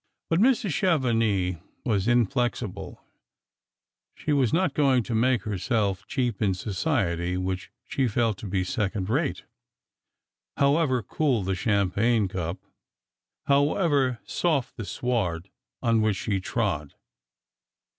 But Mrs. Chevenix was inflexible ; she was not going to make herself cheap in society which she felt to be second rate, however cool the cham pagne cup, however soft the sward on which she trod.